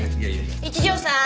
一条さん。